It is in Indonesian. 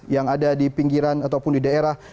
yang ada di pinggiran ataupun di daerah